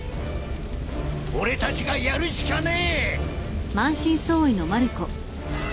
俺たちがやるしかねえ！